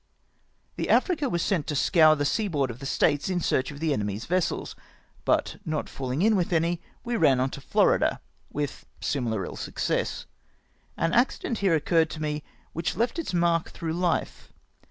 The Africa was sent to scour the seaboard of the States in search of enemy's vessels, but not falhng in with any, we ran on to Florida, with similar ill success. An accident here occurred to me which left its mark through life.